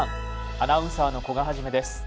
アナウンサーの古賀一です。